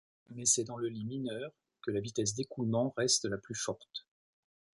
Mais c'est dans le lit mineur que la vitesse d'écoulement reste la plus forte.